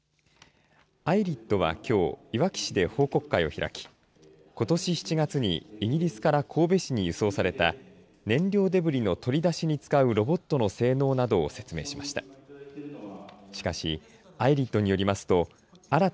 ＩＲＩＤは、きょういわき市で報告会を開きことし７月にイギリスから神戸市に輸送された燃料デブリの取り出しに使うロボットの性能などを説明しました。